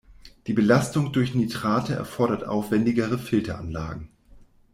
Die Belastung durch Nitrate erfordert aufwendigere Filteranlagen.